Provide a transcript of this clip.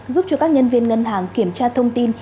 giúp cho các nhân viên ngân hàng kiểm tra thông tin